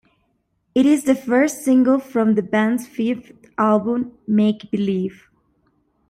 It is the first single from the band's fifth album, "Make Believe".